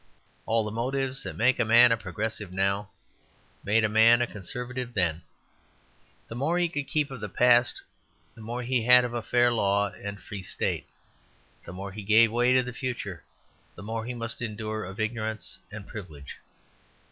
All the motives that make a man a progressive now made a man a conservative then. The more he could keep of the past the more he had of a fair law and a free state; the more he gave way to the future the more he must endure of ignorance and privilege.